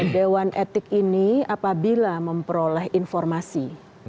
dewan etik ini apabila memperoleh informasi